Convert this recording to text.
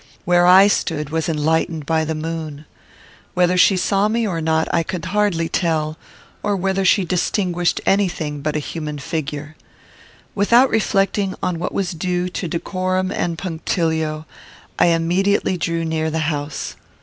Where I stood was enlightened by the moon. Whether she saw me or not, I could hardly tell, or whether she distinguished any thing but a human figure. Without reflecting on what was due to decorum and punctilio, I immediately drew near the house.